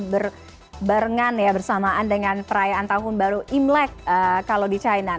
berbarengan ya bersamaan dengan perayaan tahun baru imlek kalau di china